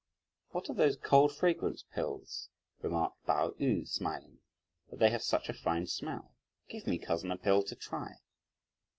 "What are these cold fragrance pills," remarked Pao yü smiling, "that they have such a fine smell? Give me, cousin, a pill to try."